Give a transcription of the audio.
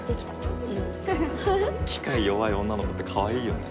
機械弱い女の子ってかわいいよね。